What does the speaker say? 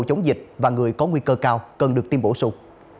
chống dịch và người có nguy cơ cao cần được tiêm bổ sung